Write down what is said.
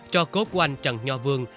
cho cốt của anh trần nho vương